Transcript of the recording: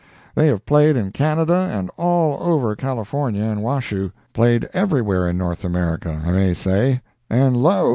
They have played in Canada and all over California and Washoe—played everywhere in North America, I may say, and lo!